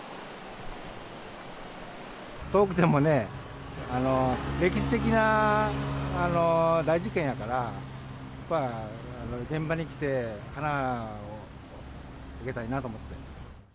遠くてもね、歴史的な大事件やから、現場に来て花をあげたいなと思って。